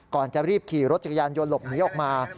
ก่อนจะรีบขี่รถจักรยานยนต์หลบหนีออกมา